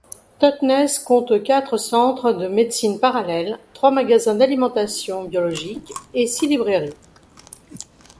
Totnes compte quatre centres de médecines parallèles, trois magasins d'alimentation biologique et six librairies.